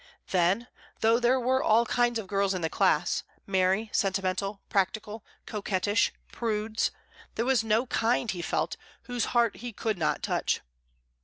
Then, though there were all kinds of girls in the class, merry, sentimental, practical, coquettish, prudes, there was no kind, he felt, whose heart he could not touch.